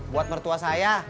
buat mertua saya